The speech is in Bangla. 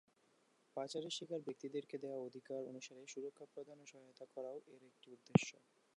পাচারের শিকার ব্যক্তিদেরকে দেয়া অধিকার অনুসারে সুরক্ষা প্রদান ও সহায়তা করাও এর একটি উদ্দেশ্য।